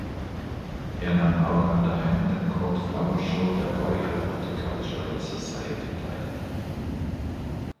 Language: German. Er nahm auch an der Hampton Court Flower Show der Royal Horticultural Society teil.